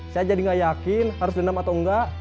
saya jadi nggak yakin harus dendam atau nggak